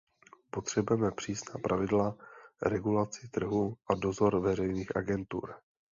Potřebujeme přísná pravidla, regulaci trhu a dozor veřejných agentur.